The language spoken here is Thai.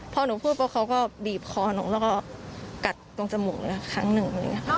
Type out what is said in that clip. พอหนูพูดปุ๊บเขาก็บีบคอหนูแล้วก็กัดตรงจมูกเลยครั้งหนึ่ง